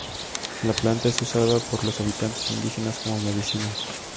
La planta es usada por los habitantes indígenas como medicina.